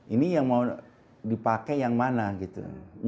ini yang mau dipakai yang mana gitu